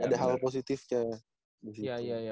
ada hal positifnya di situ